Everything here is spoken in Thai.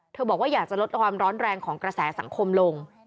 บอกว่าอยากจะลดความร้อนแรงของกระแสสังคมลง